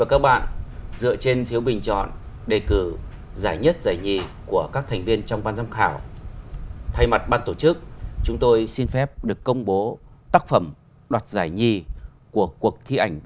các bạn có thể gửi câu hỏi giải đáp kỹ thuật cho chúng tôi về địa chỉ